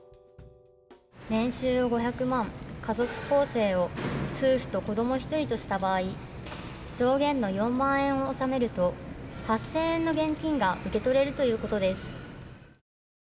年収５００万家族構成を夫婦と子供１人とした場合上限の４万円を納めると、８０００円の現金が受け取れるということです。